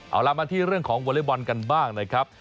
เอาล่ะมาที่เรื่องของวอเล็กบอลกันบ้างนะครับ